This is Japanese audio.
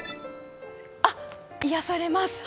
あ、癒やされます。